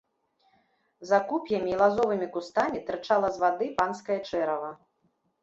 За куп'ямі і лазовымі кустамі тырчала з вады панскае чэрава.